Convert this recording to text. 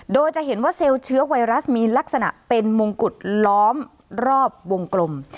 โดยจะเห็นว่าเซลล์เชื้อไวรัสมีลักษณะเป็นมงกุฎล้อมรอบวงกลม